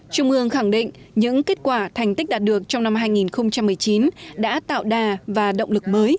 trung ương khẳng định những kết quả thành tích đạt được trong năm hai nghìn một mươi chín đã tạo đà và động lực mới